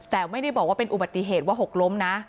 แต่ไม่ได้บอกว่าเป็นอุบัติเหตุว่าหกล้มนะ